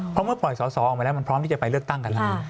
เพราะเมื่อปล่อยสอสอออกมาแล้วมันพร้อมที่จะไปเลือกตั้งกันแล้ว